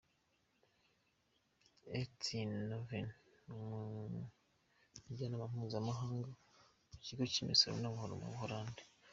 E Tienhoven, Umujyanama mpuzamahanga mu kigo cy’imisoro n’amahoro mu Buholandi.